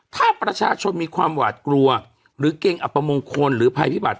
ถ้าประชาชนมีความหวาดกลัวหรือเกรงอัปมงคลหรือภัยพิบัติ